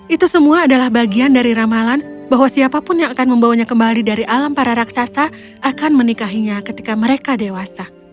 itu semua adalah bagian dari ramalan bahwa siapapun yang akan membawanya kembali dari alam para raksasa akan menikahinya ketika mereka dewasa